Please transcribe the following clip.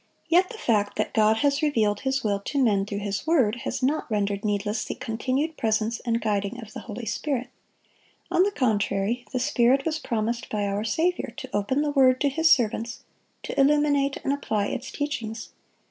Yet the fact that God has revealed His will to men through His word, has not rendered needless the continued presence and guiding of the Holy Spirit. On the contrary, the Spirit was promised by our Saviour, to open the Word to His servants, to illuminate and apply its teachings.